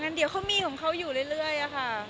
อ๋อออกนั้นเดี๋ยวเขามีของเขาอยู่เรื่อยอะค่ะ